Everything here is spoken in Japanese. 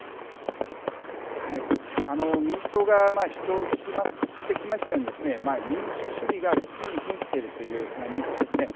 あの民主党が主張してきましたようにですね民主主義が危機にひんしているという認識ですね。